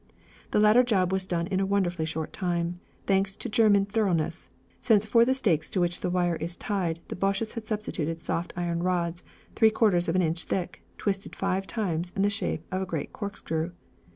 The latter job was done in a wonderfully short time, thanks to German thoroughness, since for the stakes to which the wire is tied the Boches had substituted soft iron rods, three quarters of an inch thick, twisted five times in the shape of a great corkscrew.